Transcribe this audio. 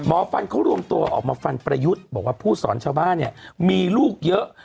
ฟันเขารวมตัวออกมาฟันประยุทธ์บอกว่าผู้สอนชาวบ้านเนี่ยมีลูกเยอะ